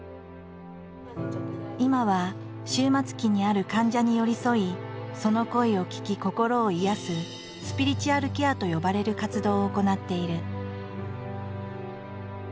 今は終末期にある患者に寄り添いその声を聞き心を癒やす「スピリチュアルケア」と呼ばれる活動を行っている。